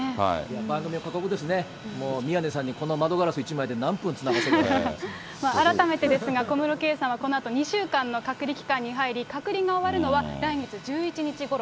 番組は過酷ですね、もう宮根さんにこの窓ガラス一枚で何分つ改めてですが、小室圭さんはこのあと２週間の隔離期間に入り、隔離が終わるのは、来月１１日ごろ。